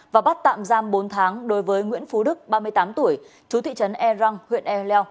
và bắt tạm giam bốn tháng đối với nguyễn phú đức ba mươi tám tuổi chú thị trấn e răng huyện e leo